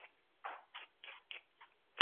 勒谢拉尔。